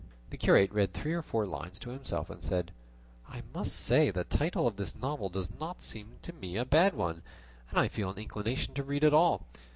The curate read three or four lines to himself, and said, "I must say the title of this novel does not seem to me a bad one, and I feel an inclination to read it all."